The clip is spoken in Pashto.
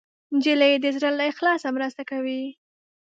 نجلۍ د زړه له اخلاصه مرسته کوي.